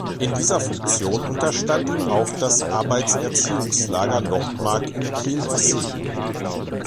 In dieser Funktion unterstand ihm auch das Arbeitserziehungslager Nordmark in Kiel-Hassee.